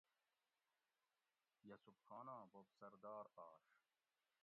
یوسف خاناں بوب سردار آش